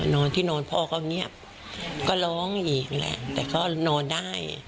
นอนที่นอนพ่อก็เงียบก็ร้องอีกแหละแต่ก็นอนได้